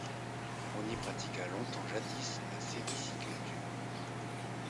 On y pratiqua longtemps jadis la sériciculture.